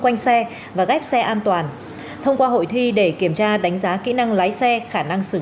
quanh xe và ghép xe an toàn thông qua hội thi để kiểm tra đánh giá kỹ năng lái xe khả năng xử